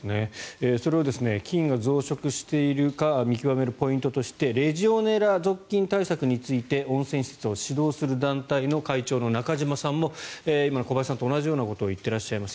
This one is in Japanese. それを菌が増殖しているか見極めるポイントとしてレジオネラ属菌対策について温泉施設を指導する団体の会長の中島さんも今の小林さんと同じようなことを言ってらっしゃいます。